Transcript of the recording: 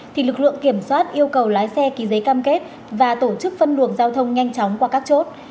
thì lực lượng kiểm soát yêu cầu lái xe ký giấy cam kết và tổ chức phân luồng giao thông nhanh chóng qua các chốt